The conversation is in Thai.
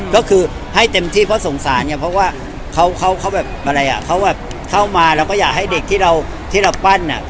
ก็คือให้เต็มที่เพราะสงสารเนี่ยเพราะว่าเขาแบบอะไรอ่ะเขาแบบเข้ามาเราก็อยากให้เด็กที่เราที่เราปั้นอ่ะ